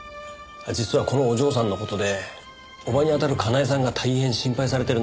実はこのお嬢さんの事で叔母にあたるかなえさんが大変心配されてるんです。